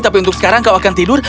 tapi untuk sekarang kau akan tidur